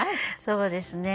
そうですね。